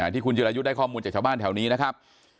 ที่คุณจิรายุทธ์ได้ข้อมูลจากชาวบ้านแถวนี้นะครับ